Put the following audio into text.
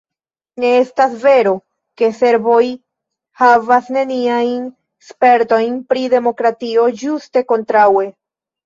Ne estas vero, ke serboj havas neniajn spertojn pri demokratio, ĝuste kontraŭe.